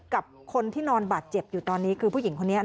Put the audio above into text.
กับคนที่นอนบาดเจ็บอยู่ตอนนี้คือผู้หญิงคนนี้